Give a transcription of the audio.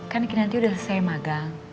kan kinanti udah selesai magang